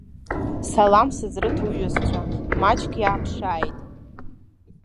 Салам сызрыҭ уҩызцәа, маҷк иааԥшааит.